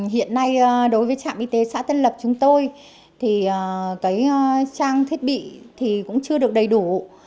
hiện nay đối với trạm y tế xã tân lập chúng tôi thì cái trang thiết bị thì cũng chưa được đầy đủ